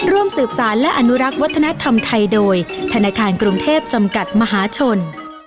ร่วมสืบสารและอนุรักษ์วัฒนธรรมไทยโดยธนาคารกรุงเทพจำกัดมหาชน